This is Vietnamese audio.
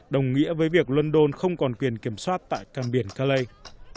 đồng nghĩa với việc london không còn quyền kiểm soát tại càng biển calei